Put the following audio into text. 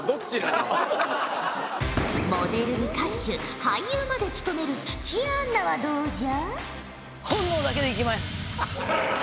モデルに歌手俳優までつとめる土屋アンナはどうじゃ？